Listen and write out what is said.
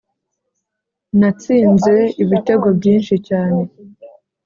natsinze ibitego byinshi cyane